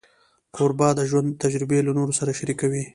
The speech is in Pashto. کوربه د ژوند تجربې له نورو سره شریکوي.